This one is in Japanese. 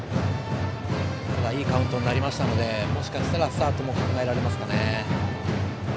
いいカウントになりましたのでスタートも考えられますね。